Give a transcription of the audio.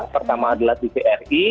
pertama adalah tvri